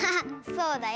そうだよ。